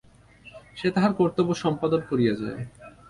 সে তাহার কর্তব্য সম্পাদন করিয়া যায়।